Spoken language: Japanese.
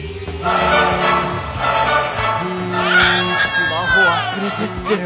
スマホ忘れてってる。